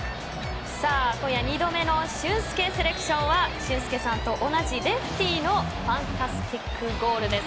今夜２度目の俊輔セレクションは俊輔さんと同じレフティーのファンタスティックゴールです。